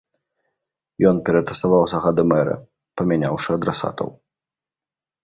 Ён ператасаваў загады мэра, памяняўшы адрасатаў.